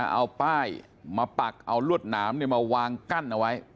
เอาป้ายมาปักเอารวดหนามมาวางกั้นเอาไว้